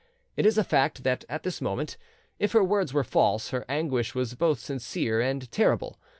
It is a fact that at this moment, if her words were false, her anguish was both sincere and terrible.